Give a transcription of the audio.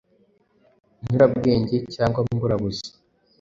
nyurabwenge cyangwa mburabuzi.”